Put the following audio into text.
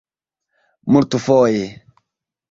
multfoje